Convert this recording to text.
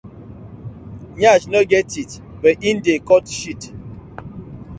Yansh no get teeth but e dey cut shit: